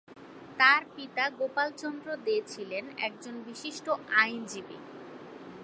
তার পিতা গোপাল চন্দ্র দে ছিলেন একজন বিশিষ্ট আইনজীবী।